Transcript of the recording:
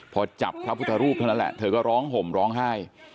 พอจับพระพุทธรูปเท่านั้นแหละเธอก็ร้องห่มร้องไห้